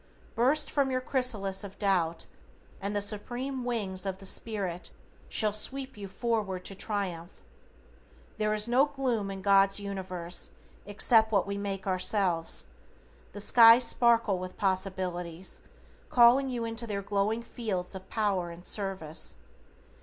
Burst from your chrysalis of doubt and the Supreme wings of the Spirit shall sweep you forward to triumph. There is no gloom in God's universe except what we make ourselves. The skies sparkle with possibilities, calling you into their glowing fields of power and service.